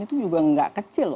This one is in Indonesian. itu juga tidak kecil